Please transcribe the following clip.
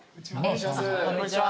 こんにちは。